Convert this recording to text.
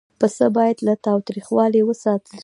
پسه باید له تاوتریخوالي وساتل شي.